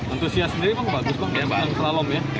untuk sias sendiri bagus kok yang selalom ya